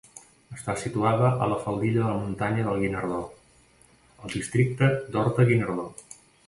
Està situada a la faldilla de la muntanya del Guinardó, al districte d'Horta-Guinardó.